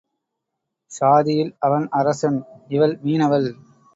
சாதியில் அவன் அரசன் இவள் மீனவள்.